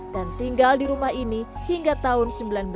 dan tinggal di rumah ini hingga tahun seribu sembilan ratus empat puluh dua